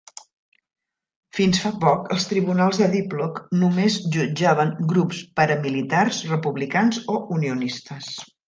Fins fa poc, els tribunals de Diplock només jutjaven grups paramilitars republicans o unionistes.